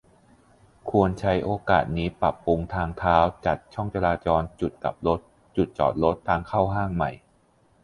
ควรใช้โอกาสนี้ ปรับปรุงทางเท้า จัดช่องจราจร-จุดกลับรถ-จุดจอดรถ-ทางเข้าห้างใหม่